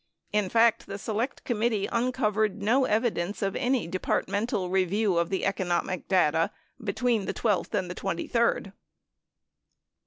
In fact, the Select Committee uncovered no evidence of any departmental review of the economic data bet ween the 12th and the 23d.